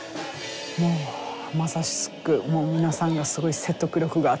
まさしく皆さんがすごい説得力があって。